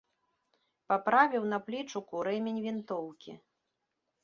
Паправіў на плечуку рэмень вінтоўкі.